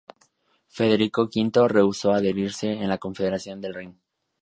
Federico V rehusó adherirse a la Confederación del Rin.